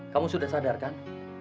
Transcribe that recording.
kamu sudah sadar kan